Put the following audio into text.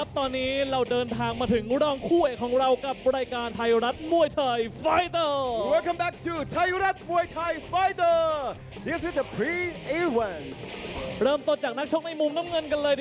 ไทยรัฐมวยไทยไฟเตอร์